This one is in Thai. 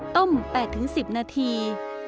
ต้ม๘๑๐นาที